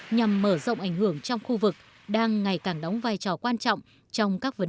nhằm mở rộng ảnh hưởng trong khu vực đang ngày càng đóng vai trò quan trọng